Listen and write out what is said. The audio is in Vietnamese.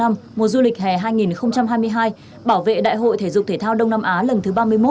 mùa du lịch hè hai nghìn hai mươi hai bảo vệ đại hội thể dục thể thao đông nam á lần thứ ba mươi một